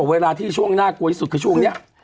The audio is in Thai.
เวลาที่ช่วงหน้ากลัวอีกอย่างต่อแมน